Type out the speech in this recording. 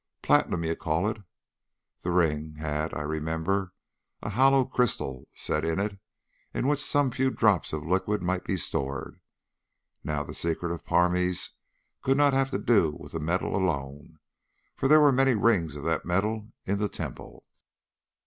Platinum, you call it. The ring had, I remembered, a hollow crystal set in it, in which some few drops of liquid might be stored. Now, the secret of Parmes could not have to do with the metal alone, for there were many rings of that metal in the Temple.